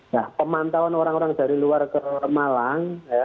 nah pemantauan orang orang dari luar ke malang